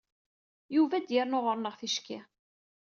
Yuba ad d-yernu ɣur-neɣ ticki.